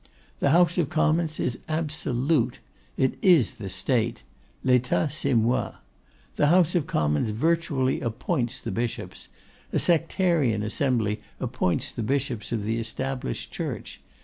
The House of Commons is absolute. It is the State. "L'Etat c'est moi." The House of Commons virtually appoints the bishops. A sectarian assembly appoints the bishops of the Established Church.